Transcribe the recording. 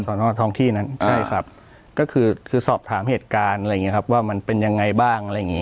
ท้องที่นั้นใช่ครับก็คือคือสอบถามเหตุการณ์อะไรอย่างเงี้ครับว่ามันเป็นยังไงบ้างอะไรอย่างงี